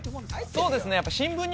そうですね